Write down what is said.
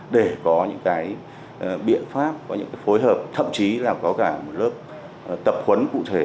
để có những cái biện pháp có những cái phối hợp thậm chí là có cả một lớp tập huấn cụ thể